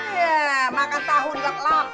iya makan tauhu di kagelap